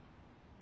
あ。